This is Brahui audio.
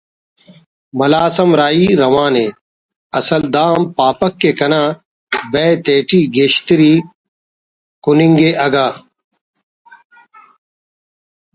ملاس ہم راہی روان ءِ اسل داہم پاپک کہ کنا بئے تیٹی گیشتری کننگے اگہ